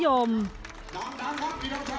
ยอมจะอัมชาติ์ราคม